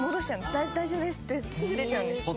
「大丈夫ですってすぐ出ちゃうんです」